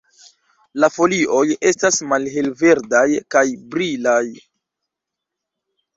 La folioj estas malhelverdaj kaj brilaj.